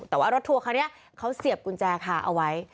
แต่ว่ารถทัวร์คันนี้เขาเสียบกุญแจคาเอาไว้